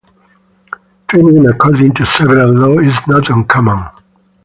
Twinning according to several laws is not uncommon.